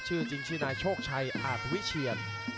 ชื่อจริงชื่อนายโชคชัยอาจวิเชียน